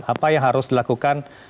apa yang harus dilakukan